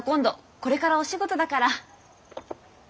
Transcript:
これからお仕事だから。